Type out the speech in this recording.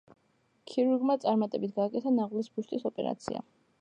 ქირურგმა წარმატებით გააკეთა ნაღვლის ბუშტის ოპერაცია.